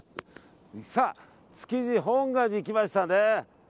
築地本願寺に来ましたね。